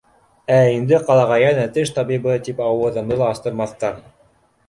Ә инде ҡалаға йәнә теш табибы тип ауыҙымды ла астырмаҫтар.